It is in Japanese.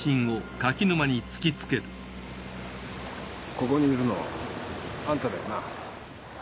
ここにいるのあんただよな？